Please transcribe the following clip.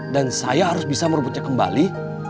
dan saya harus bisa merebutnya kembali